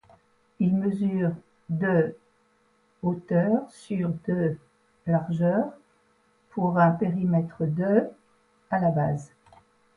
Il mesure de hauteur sur de largeur pour un périmètre de à la base.